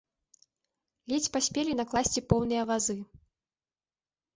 Ледзь паспелі накласці поўныя вазы.